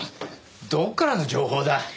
どっからの情報だ？